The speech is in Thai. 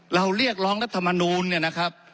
เรียกร้องรัฐมนูลเนี่ยนะครับ